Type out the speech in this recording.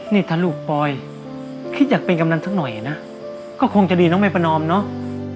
นี่ถ้าลูกปอยคิดอยากเป็นกำนันสักหน่อยนะก็คงจะดีน้องแม่ประนอมเนาะ